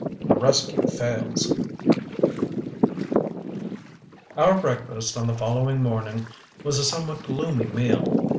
THE RESCUE FAILS Our breakfast on the following morning was a somewhat gloomy meal.